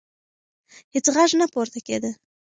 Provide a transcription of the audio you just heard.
هیڅ غږ نه پورته کېده.